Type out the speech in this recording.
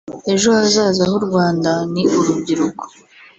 Ati “Ejo hazaza h’u Rwanda ni urubyiruko